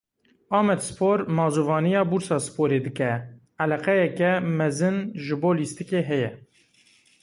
Amedspor mazûvaniya Bursaporê dike; Eleqeyeke mezin ji bo lîstikê heye.